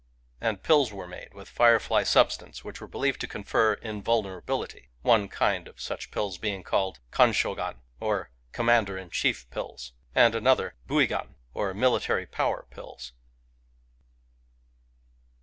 And pills were made with firefly substance which were believed to confer invulnerability; — one kind of 1 such pills being called Kansbogan, or " Commander in Chief Pills "; and another, Buigatij or " Military Power Pills."